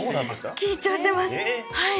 緊張してますはい。